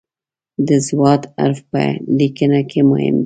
د "ض" حرف په لیکنه کې مهم دی.